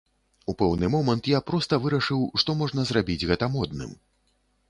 У пэўны момант я проста вырашыў, што можна зрабіць гэта модным.